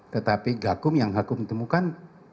tetapi gakum yang gakum temukan